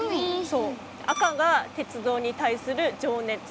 赤が鉄道に対する情熱。